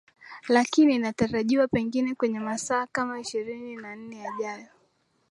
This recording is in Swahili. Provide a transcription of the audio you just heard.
lakini inatarajiwa pengine kwenye masaa kama ishirini na nne yajayo